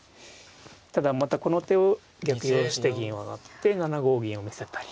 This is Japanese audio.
ただまたこの手を逆用して銀を上がって７五銀を見せたり。